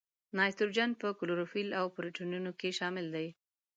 نایتروجن په کلوروفیل او پروټینونو کې شامل دی.